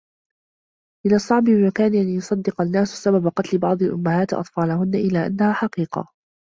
من الصعب بمكان أن يصدّق الناس سبب قتل بعض الأمهات أطفالهن، إلا أنها الحقيقة.